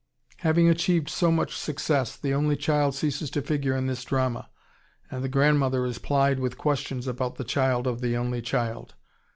Having achieved so much success, the only child ceases to figure in this drama, and the grandmother is plied with questions about the child of the only child.